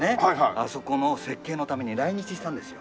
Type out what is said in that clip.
あそこの設計のために来日したんですよ。